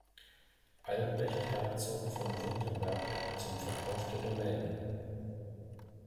Albrecht Herzog von Württemberg zum Verkauf der Domäne.